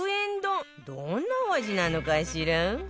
どんなお味なのかしら？